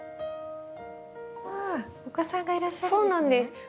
お子さんがいらっしゃるんですね。